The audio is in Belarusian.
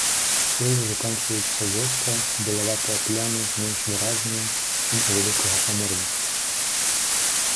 Крылы заканчваюцца востра, белаватыя плямы менш выразныя, чым у вялікага паморніка.